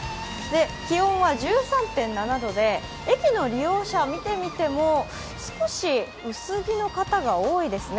気温は１３．７度で駅の利用者を見てみても少し薄着の方が多いですね。